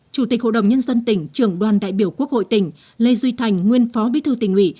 chủ tịch hội đồng nhân dân tỉnh trưởng đoàn đại biểu quốc hội tỉnh lê duy thành nguyên phó bí thư tỉnh ủy